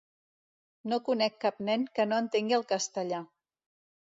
No conec cap nen que no entengui el castellà.